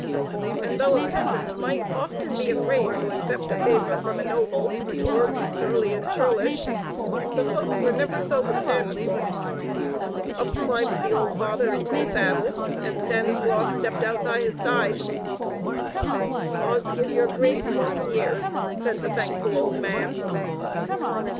And though a peasant might often be afraid to accept the favor from a noble, or be surly and churlish, the folk never were so with Stanislaus. Up climbed the old father into the saddle, and Stanislaus stepped out by his side. "God give your grace long years!" said the thankful old man.